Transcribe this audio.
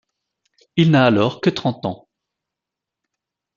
Il n'a alors que trente ans.